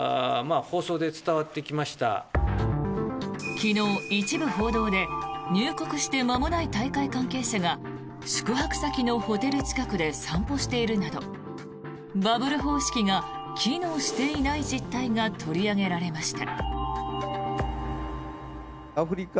昨日、一部報道で入国してまもない大会関係者が宿泊先のホテルの近くで散歩しているなどバブル方式が機能していない実態が取り上げられました。